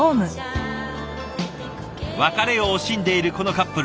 別れを惜しんでいるこのカップル。